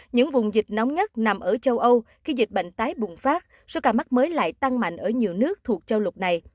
những vùng dịch nóng nhất nằm ở châu âu khi dịch bệnh tái bùng phát số ca mắc mới lại tăng mạnh ở nhiều nước thuộc châu lục này